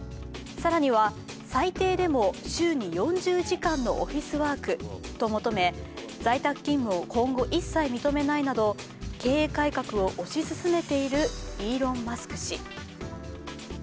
更には、最低でも週に４０時間のオフィスワークと求め、在宅勤務を今後一切認めないなど経営改革を推し進めているイーロン・マスク氏。